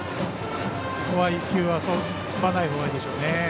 １球遊ばないほうがいいでしょうね。